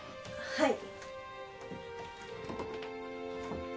はい。